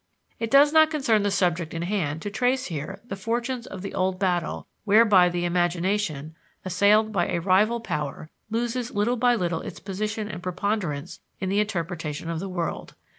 It does not concern the subject in hand to trace here the fortunes of the old battle whereby the imagination, assailed by a rival power, loses little by little its position and preponderance in the interpretation of the world.